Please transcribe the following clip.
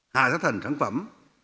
hạ sát thành sản phẩm